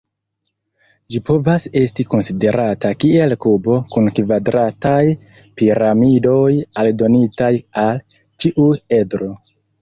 Ĝi povas esti konsiderata kiel kubo kun kvadrataj piramidoj aldonitaj al ĉiu edro.